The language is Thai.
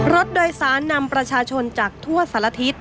รถโดยสารนำประชาชนจากทั่วสารทิศ